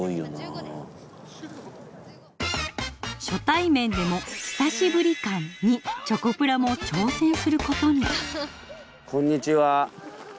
初対面でも「久しぶり感」にチョコプラも挑戦することに。